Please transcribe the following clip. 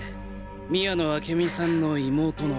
宮野明美さんの妹の。